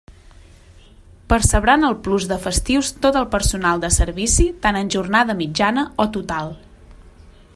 Percebran el plus de festius tot el personal de servici tant en jornada mitjana o total.